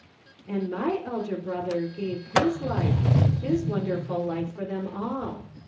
"And my Elder Brother gave his life, his wonderful life for them all